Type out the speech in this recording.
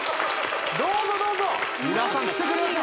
どうぞどうぞ皆さん来てくれました